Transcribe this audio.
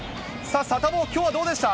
サタボー、きょうはどうでした？